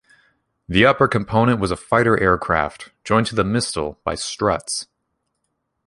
The upper component was a fighter aircraft, joined to the Mistel by struts.